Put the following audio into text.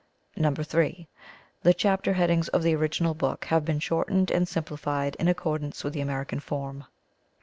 (3) The chapter headings of the original book have been shortened and simplified in accordance with the American form.